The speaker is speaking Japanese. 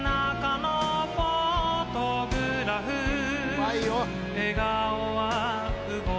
うまいよ。